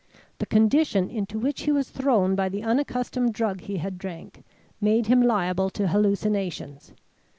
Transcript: The condition into which he was thrown by the unaccustomed drug he had drank, made him liable to hallucinations.